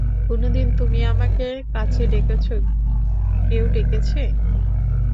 কোনোদিন তুমি আমাকে কাছে ডেকেছ কেউ ডেকেছে!